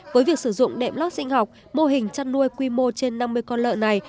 với việc sử dụng đệm lót sinh học mô hình chăn nuôi quy mô trên năm mươi con lợn này